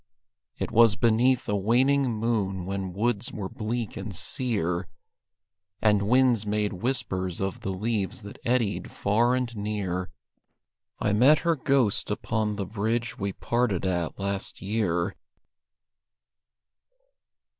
It was beneath a waning moon when woods were bleak and sear, And winds made whispers of the leaves that eddied far and near, I met her ghost upon the bridge we parted at last year.